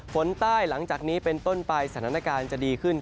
ฝนใต้หลังจากนี้เป็นต้นไปสถานการณ์จะดีขึ้น